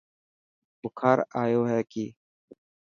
بخار آيو هي ڪي.